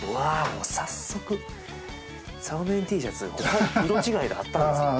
もう早速炒麺Ｔシャツ色違いであったんですね